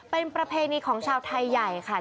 เป็นประเพณีของชาวไทยใหญ่ค่ะ